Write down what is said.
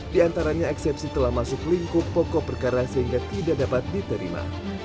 di antaranya eksepsi telah masuk lingkup pokok perkara sehingga tidak dapat diterima